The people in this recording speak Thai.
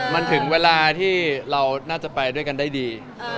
มันถึงเวลาที่เราน่าจะไปด้วยกันได้ดี